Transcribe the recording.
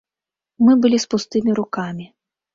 Мы былі з пустымі рукамі.